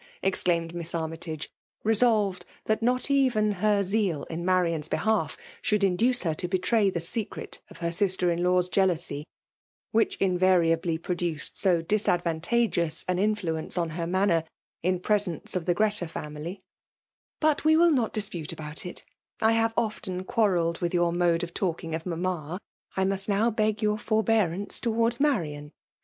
exclaimed Miss Armjh^ tage, — resolved that not even her zeal ia EBMAJLB DOMINATION. 71 Ifaociaii'B hAtiS ahovld induce her to betray the aecret of her skter inrlaw^a jealousy ; wUoli invariably produced so disadvantageous an iaiiicnoe on her maomer, in presence of the Gteta fiinuly. ''But ve will not diq^iite aboni it I ham often quarrelled with yonr mode of talking of manuna; I nuiat now beg your forbeatanca towards Marian.